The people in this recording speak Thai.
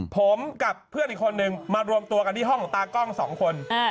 ผมกับเพื่อนอีกคนนึงมารวมตัวกันที่ห้องของตากล้อง๒คน